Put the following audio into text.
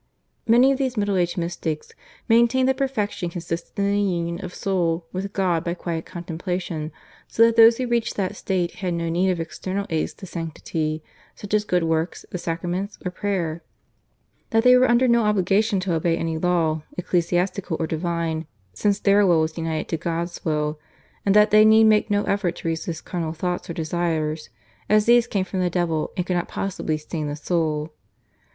Many of these Middle Age mystics maintained that perfection consisted in the union of the soul with God by quiet contemplation, so that those who reached that state had no need of external aids to sanctity, such as good works, the sacraments, or prayer; that they were under no obligation to obey any law, ecclesiastical or divine, since their will was united to God's will; and that they need make no effort to resist carnal thoughts or desires, as these came from the devil and could not possibly stain the soul.